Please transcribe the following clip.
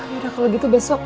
yaudah kalau gitu besok